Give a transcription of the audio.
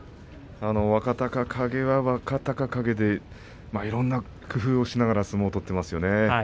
若隆景は若隆景でいろいろな工夫をしながら相撲を取っていますよね。